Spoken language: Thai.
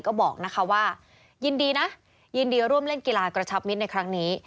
ก็บอกนะคะว่ายินดีนะยินดีร่วมเล่นกีฬากระชับมิตรในครั้งนี้